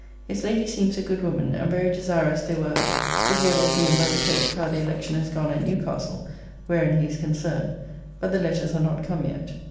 His lady' seems a good woman and very desirous they were to hear this noon by the post how the election has gone at Newcastle, wherein he is concerned, but the letters are not come yet.